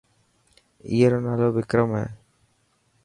اي رو نالو وڪرم هي.